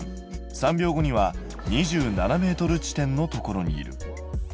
３秒後には２７ｍ地点のところにいる。